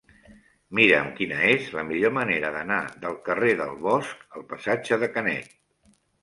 Mira'm quina és la millor manera d'anar del carrer del Bosc al passatge de Canet.